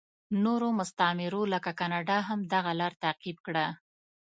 نورو مستعمرو لکه کاناډا هم دغه لار تعقیب کړه.